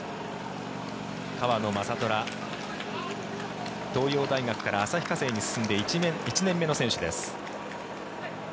川野将虎、東洋大学から旭化成に進んで１年目の選手です。